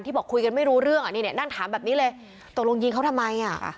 ที่บอกคุยกันไม่รู้เรื่องนั่นถามแบบนี้เลยตกลงยิงเขาทำไม